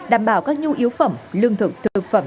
đảm bảo các nhu yếu phẩm lương thực thực phẩm